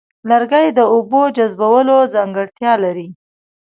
لرګي د اوبو جذبولو ځانګړتیا لري.